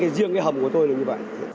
riêng cái hầm của tôi là như vậy